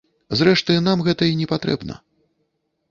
Зрэшты нам гэта й не патрэбна.